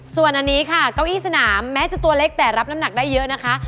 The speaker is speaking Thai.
ส่วนอันนี้ค่ะเก้าอี้สนามแม้จะตัวเล็กแต่รับน้ำหนักได้เยอะนะคะ